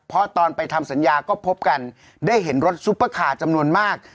เพราะตอนไปทำสัญญาก็พบกันได้เห็นรถซุปเปอร์คาร์จำนวนมาก